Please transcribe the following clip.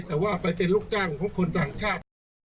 แต่ว่าไปเป็นลูกจ้างของคนต่างชาติ